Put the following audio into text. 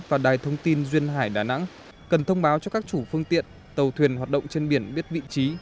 và đài thông tin duyên hải đà nẵng cần thông báo cho các chủ phương tiện tàu thuyền hoạt động trên biển biết vị trí